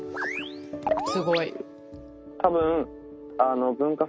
すごい。